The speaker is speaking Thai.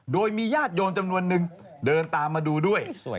โดยมีญาติโยมจำนวนนึงเดินตามมาดูด้วย